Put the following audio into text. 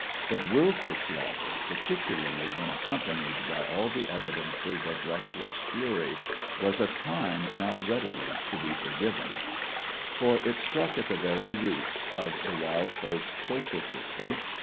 But wilful slaughter, particularly when accompanied by all the evidences of reckless fury, was a crime not readily to be forgiven, for it struck at the very roots of the wild folk's social system.